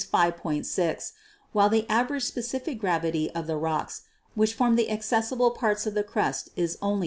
6, while the average specific gravity of the rocks which form the accessible parts of the crust is only 2.